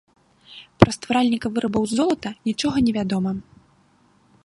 Пра стваральніка вырабаў з золата нічога невядома.